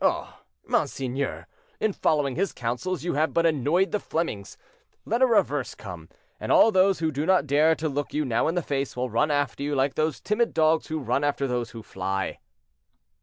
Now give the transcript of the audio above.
Oh! monseigneur, in following his counsels you have but annoyed the Flemings. Let a reverse come, and all those who do not dare to look you now in the face will run after you like those timid dogs who run after those who fly."